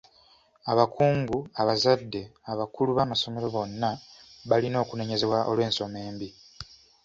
Abakungu, abazadde, abakulu b'amasomero bonna balina okunenyezebwa olw'ensoma embi.